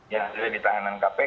yang sudah ditahanan kpk